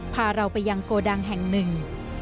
พาเราไปยังโกดังแห่งหนึ่ง